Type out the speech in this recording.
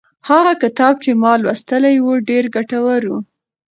هغه کتاب چې ما لوستی و ډېر ګټور و.